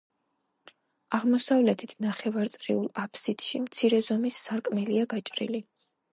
აღმოსავლეთით ნახევარწრიულ აფსიდში მცირე ზომის სარკმელია გაჭრილი.